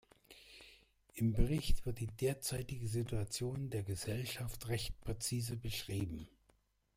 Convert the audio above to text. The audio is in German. Im Bericht wird die derzeitige Situation der Gesellschaft recht präzise beschrieben.